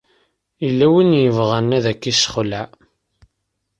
Yella win i yebɣan ad k-isexleɛ.